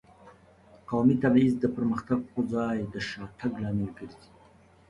قومي تبعیض د پرمختګ په ځای د شاتګ لامل ګرځي.